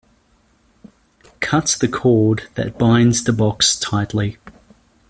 Cut the cord that binds the box tightly.